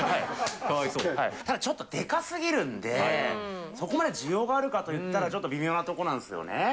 ただちょっとでかすぎるんで、そこまで需要があるかといったら、ちょっと微妙なところなんですよね。